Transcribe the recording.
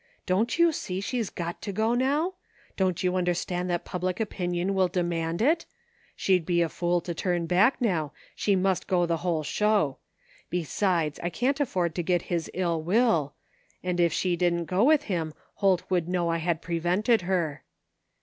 Don't you see she's got to go now? Don't you understand that public opinion will demand it ? She'd be a fool to turn back now, she must go the whole show. Besides, I can't afford to get his ill will, and if she didn't go with him Holt would know I had prevented her."